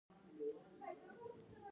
یخني جامې غواړي